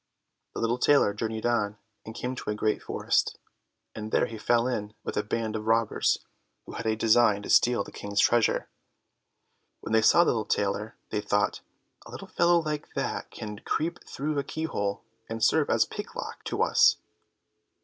The little tailor journeyed on and came to a great forest, and there he fell in with a band of robbers who had a design to steal the King's treasure. When they saw the little tailor, they thought, "A little fellow like that can creep through a key hole and serve as picklock to us."